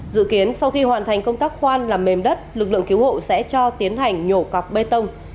dự kiến sau khi hoàn thành công tác khoan làm mềm đất lực lượng cứu hộ sẽ cho tiến hành nhổ cọc bê tông